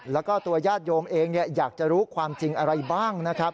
แล้วก็ตัวญาติโยมเองอยากจะรู้ความจริงอะไรบ้างนะครับ